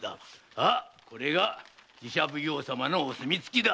さあこれが寺社奉行様のお墨付きだ。